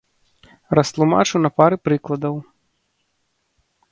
Растлумачу на пары прыкладаў.